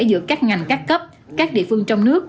giữa các ngành các cấp các địa phương trong nước